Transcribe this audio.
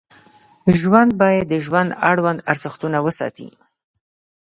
ژوند باید د ژوند اړوند ارزښتونه وساتي.